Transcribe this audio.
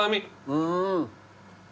うん。